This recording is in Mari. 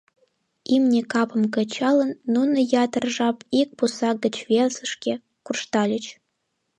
Имне капым кычалын, нуно ятыр жап ик пусак гыч весышке куржтальыч.